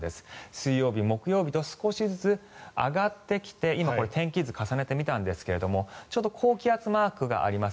水曜日、木曜日と少しずつ上がってきて今、これ天気図を重ねてみたんですがちょうど高気圧マークがあります。